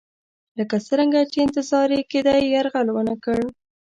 لکه څرنګه چې انتظار یې کېدی یرغل ونه کړ.